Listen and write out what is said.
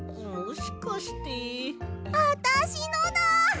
あたしのだ！